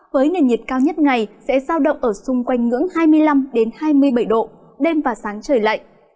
với nền nhiệt cao nhất ngày sẽ giao động ở xung quanh ngưỡng hai mươi năm hai mươi bảy độ đêm và sáng trời lạnh